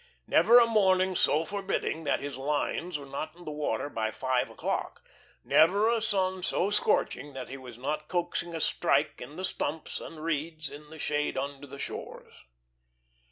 Never a morning so forbidding that his lines were not in the water by five o'clock; never a sun so scorching that he was not coaxing a "strike" in the stumps and reeds in the shade under the shores.